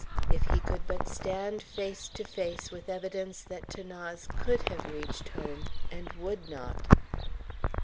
if he could but stand face to face with evidence that 'Thanase could have reached home and would not.